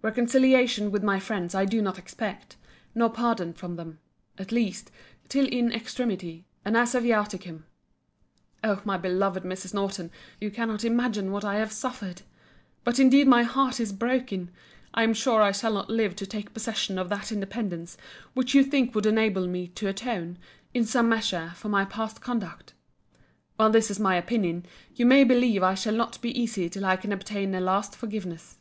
Reconciliation with my friends I do not expect; nor pardon from them; at least, till in extremity, and as a viaticum. O my beloved Mrs. Norton, you cannot imagine what I have suffered!—But indeed my heart is broken!—I am sure I shall not live to take possession of that independence, which you think would enable me to atone, in some measure, for my past conduct. While this is my opinion, you may believe I shall not be easy till I can obtain a last forgiveness.